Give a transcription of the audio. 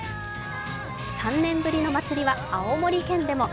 ３年ぶりの祭りは青森県でも。